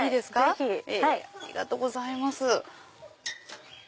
ぜひ！ありがとうございます。